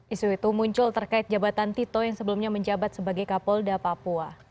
isu itu muncul terkait jabatan tito yang sebelumnya menjabat sebagai kapolda papua